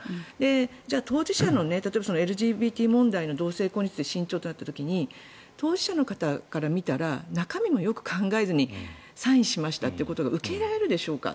じゃあ、当事者の例えば、ＬＧＢＴ問題の同性婚の合法化に慎重にとなった時に当事者の方から見たら中身もよく確認せずにサインしたというのが受け入れられるでしょうか。